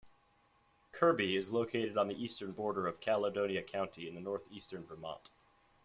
Kirby is located on the eastern border of Caledonia County in northeastern Vermont.